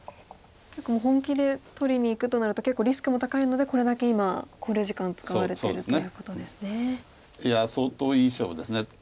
結構もう本気で取りにいくとなると結構リスクも高いのでこれだけ今考慮時間使われてるということですね。